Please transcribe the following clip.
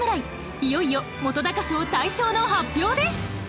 いよいよ本賞大賞の発表です！